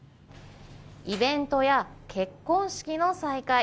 イベントや結婚式の再開